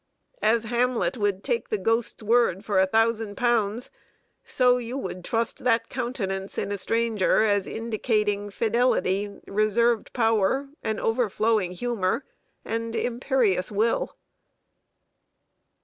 As Hamlet would take the ghost's word for a thousand pounds, so you would trust that countenance in a stranger as indicating fidelity, reserved power, an overflowing humor, and imperious will.